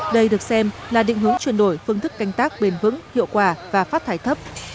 đây được xem là định hướng chuyển đổi phương thức canh tác bền vững hiệu quả và phát thải thấp